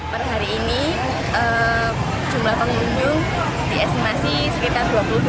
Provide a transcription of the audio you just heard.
per hari ini jumlah pengunjung diestimasi sekitar dua puluh dua